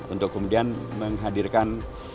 untuk kemudian menghadirkan